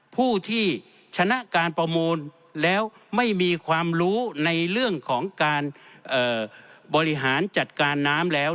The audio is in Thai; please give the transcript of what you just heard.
ผู้ที่ชนะการประมูลแล้วไม่มีความรู้ในเรื่องของการบริหารจัดการน้ำแล้ว